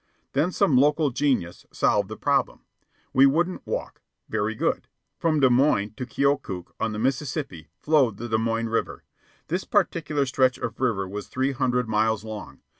Then some local genius solved the problem. We wouldn't walk. Very good. We should ride. From Des Moines to Keokuk on the Mississippi flowed the Des Moines River. This particular stretch of river was three hundred miles long.